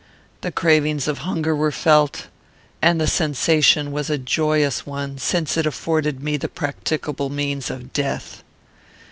The cravings of hunger were felt, and the sensation was a joyous one, since it afforded me the practicable means of death.